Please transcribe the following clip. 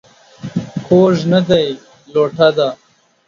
کوږ نه دى ، لوټه ده.